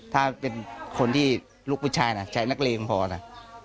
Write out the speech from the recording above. ถ้าเป็นคนที่ลูกผู้ชายนะใช้นักเลงพอนะ